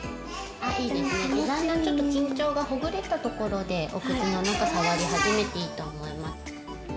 だんだんちょっと緊張がほぐれたところでお口の中触り始めていいと思います。